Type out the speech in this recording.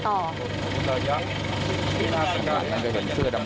ท่องมนนั่งจะเป็นเสื้อดำ